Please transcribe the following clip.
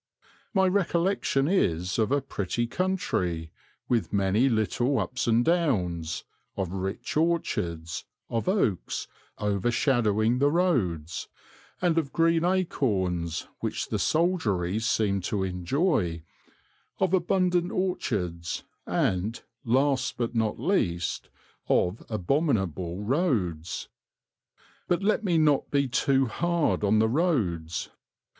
My recollection is of a pretty country, with many little ups and downs, of rich orchards, of oaks overshadowing the roads, and of green acorns which the soldiery seemed to enjoy, of abundant orchards and, last but not least, of abominable roads. But let me not be too hard on the roads.